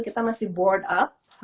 kita masih board up